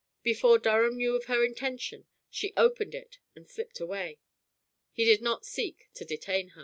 Before Durham knew of her intention she opened it and slipped away. He did not seek to detain her.